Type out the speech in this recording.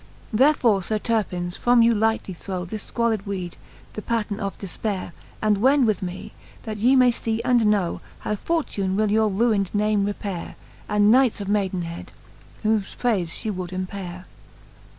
Therefore Sir Turpine from you lightly throw This fqualid weede, the patterne of difpaire, And wend with me, that ye may fee and know, How fortune will your ruin'd name repaire, And knights of maidenhead, whofe praife Ihe would empaire.